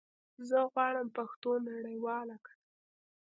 زه غواړم پښتو نړيواله کړم